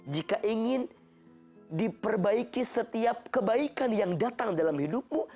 jika ingin diperbaiki setiap kebaikan yang datang dalam hidupmu